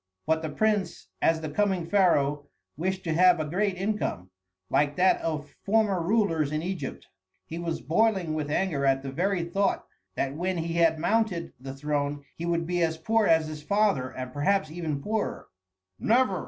But the prince, as the coming pharaoh, wished to have a great income, like that of former rulers in Egypt. He was boiling with anger at the very thought that when he had mounted the throne he would be as poor as his father and perhaps even poorer. "Never!"